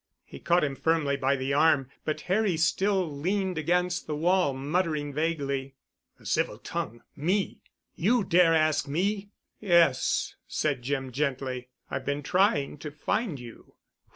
He caught him firmly by the arm, but Harry still leaned against the wall, muttering vaguely. "A civil tongue—me? You—you dare ask me?" "Yes," said Jim gently, "I've been trying to find you."